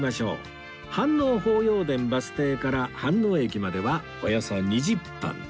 飯能法要殿バス停から飯能駅まではおよそ２０分